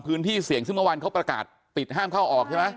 พื้นที่เสี่ยงซึ่งเมื่อวานเขาประกาศปิดห้ามเข้าออกใช่ไหม